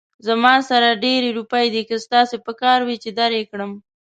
زما سره ډېرې روپۍ دي، که ستاسې پکار وي، چې در يې کړم